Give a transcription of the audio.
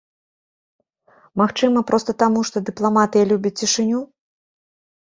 Магчыма, проста таму, што дыпламатыя любіць цішыню?